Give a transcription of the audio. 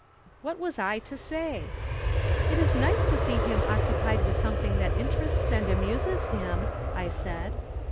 " What was I to say ?" It is nice to see him occupied with something that interests and amuses him," I said.